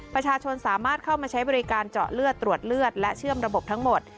ประชาชนสามารถเข้ามาใช้บริการเจาะเลือดตรวจเลือดและเชื่อมระบบทั้งหมด